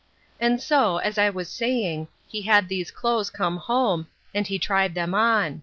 And so, as I was saying, he had these clothes come home, and he tried them on.